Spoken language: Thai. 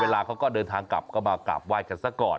เขาก็เดินทางกลับก็มากราบไห้กันซะก่อน